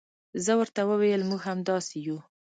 زه ورته وویل موږ هم همداسې یو.